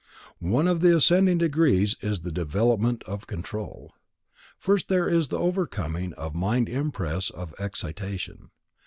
One of the ascending degrees is the development of Control. First there is the overcoming of the mind impress of excitation.